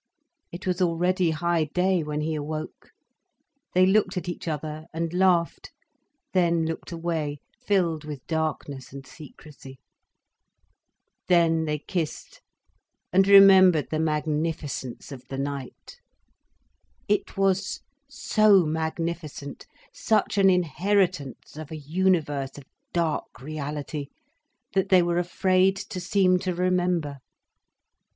It was already high day when he awoke. They looked at each other and laughed, then looked away, filled with darkness and secrecy. Then they kissed and remembered the magnificence of the night. It was so magnificent, such an inheritance of a universe of dark reality, that they were afraid to seem to remember.